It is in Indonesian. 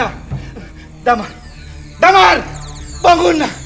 baktikan aku malang bangun